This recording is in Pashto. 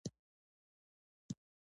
تر پخوا مي قدر زیات شوی دی .